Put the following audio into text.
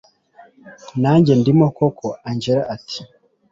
nanjye ndimo koko angella ati